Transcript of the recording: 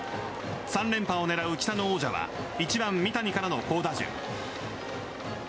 ３連覇を狙う北の王者は１番からの好打順。